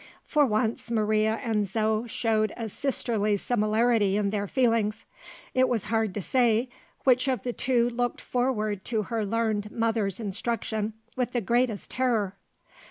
For once, Maria and Zo showed a sisterly similarity in their feelings. It was hard to say which of the two looked forward to her learned mother's instruction with the greatest terror.